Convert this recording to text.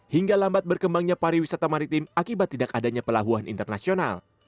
hingga lambat berkembangnya pariwisata maritim akibat tidak adanya pelabuhan internasional